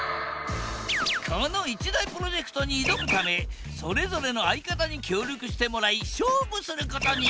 この一大プロジェクトに挑むためそれぞれの相方に協力してもらい勝負することに。